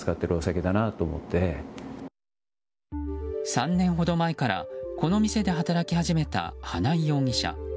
３年ほど前からこの店で働き始めた花井容疑者。